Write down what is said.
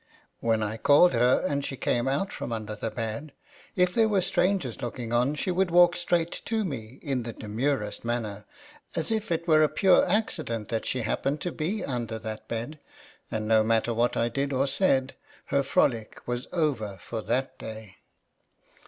When I called her, and she came out from under the bed, if there were strangers looking on, she would walk straight to me in the demurest manner, as if it were a pure* accident that she happened to be under that bed ; and no matter what I did or said, her frolic was over for that day.